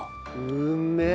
うめえ！